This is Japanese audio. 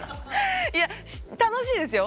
いや楽しいですよ。